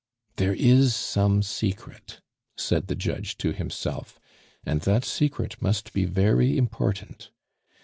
"There is some secret," said the judge to himself, "and that secret must be very important.